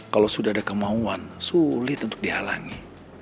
kalau sudah ada kemauan sulit untuk dihalangi